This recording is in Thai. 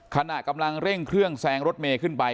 ขณะกำลังเร่งเครื่องแซงรถเมย์ขึ้นไป